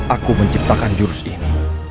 aku menciptakan jurus ini